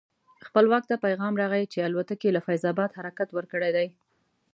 خپلواک ته پیغام راغی چې الوتکې له فیض اباد حرکت ورکړی دی.